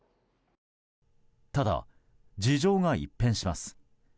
ただ、事情が一変します。